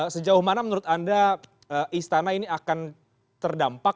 sejauh mana menurut anda istana ini akan terdampak